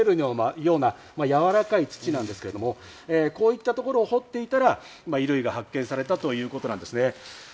手でも簡単に掘れるようなやわらかい土なんですけど、こういったところを掘っていたら衣類が発見されたということなんですね。